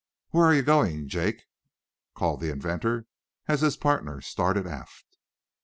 "Where are you going, Jake?" called the inventor, as his partner started aft.